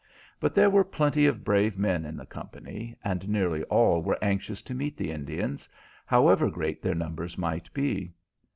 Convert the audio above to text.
But there were plenty of brave men in the company, and nearly all were anxious to meet the Indians, however great their numbers might be.